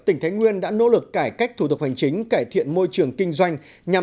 tỉnh thái nguyên đã nỗ lực cải cách thủ tục hành chính cải thiện môi trường kinh doanh